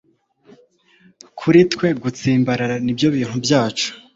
kuri twe gutsimbarara nibyo bintu byacu